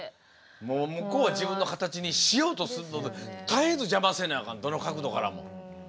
もう向こうは自分の形にしようとするので絶えず邪魔せなあかん